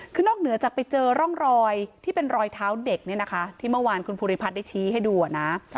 คือนอกเหนือจากไปเจอร่องรอยที่เป็นรอยเท้าเด็กเนี่ยนะคะที่เมื่อวานคุณภูริพัฒน์ได้ชี้ให้ดูนะ